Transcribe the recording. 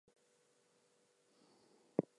Where can i "degoogle" my Tesla?